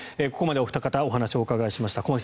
ここまでお二方にお話をお伺いしました。